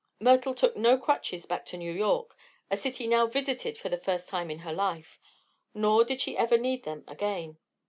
Myrtle took no crutches back to New York a city now visited for the first time in her life nor did she ever need them again.